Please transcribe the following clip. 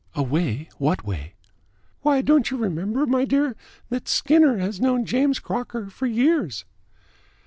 "A way? What way?" "Why, don't you remember, my dear, that Skinner has known James Crocker for years."